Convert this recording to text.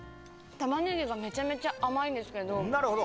タマネギがめちゃめちゃ甘いんですけど。